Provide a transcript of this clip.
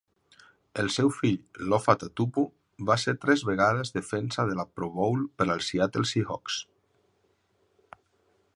El seu fill Lofa Tatupu va ser tres vegades defensa de la Pro Bowl per als Seattle Seahawks.